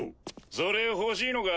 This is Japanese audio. それ欲しいのか？